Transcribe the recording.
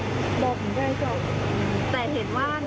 มีมีบาดเจ็บประมาณ๕คน